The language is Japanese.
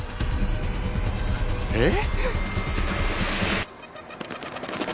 えっ？